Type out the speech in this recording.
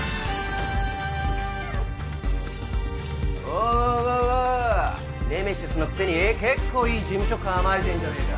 おうおうおうネメシスのくせに結構いい事務所構えてんじゃねえか。